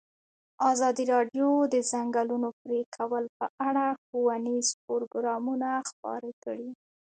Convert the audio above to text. ازادي راډیو د د ځنګلونو پرېکول په اړه ښوونیز پروګرامونه خپاره کړي.